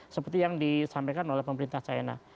seperti yang disampaikan oleh pemerintah china